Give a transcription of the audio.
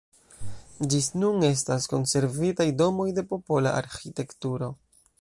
Ĝis nun estas konservitaj domoj de popola arĥitekturo.